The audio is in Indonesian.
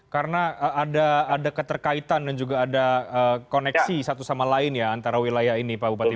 karena ada keterkaitan dan juga ada koneksi satu sama lain ya antara wilayah ini pak bupati